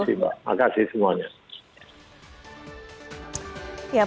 terima kasih terima kasih mbak terima kasih semuanya